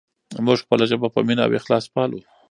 موږ خپله ژبه په مینه او اخلاص پالو.